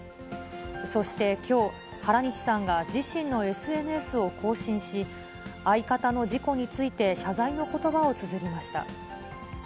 そしてきょう、原西さんが自身のＳＮＳを更新し、相方の事故について、謝罪のことばをつづりました。